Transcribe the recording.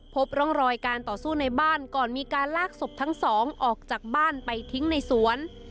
พบร่องรอยการต่อสู้ในบ้านก่อนมีการลากศพทั้งสองออกจากบ้านไปทิ้งในสวน